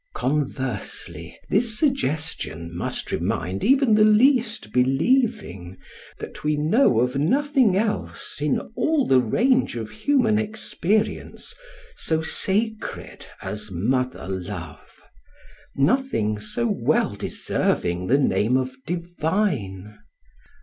Conversely, this suggestion must remind even the least believing that we know of nothing else, in all the range of human experience, so sacred as mother love, — nothing so well deserving the name of divine.